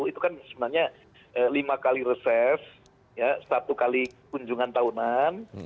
itu kan sebenarnya lima kali reses satu kali kunjungan tahunan